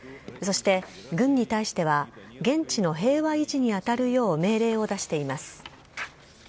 そして軍に対しては、現地の平和維持に当たるよう命令を出しています。